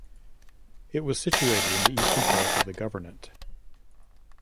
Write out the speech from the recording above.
It was situated in the eastern part of the governorate.